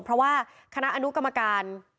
เพราะว่าคณะอนุกรรมการ